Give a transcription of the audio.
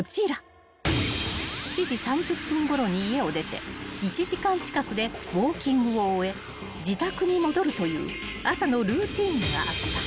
［７時３０分ごろに家を出て１時間近くでウオーキングを終え自宅に戻るという朝のルーティンがあった］